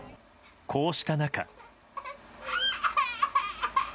こうした中。